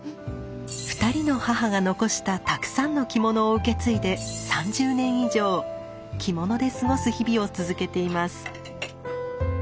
２人の母が残したたくさんの着物を受け継いで３０年以上着物で過ごす日々を続けています。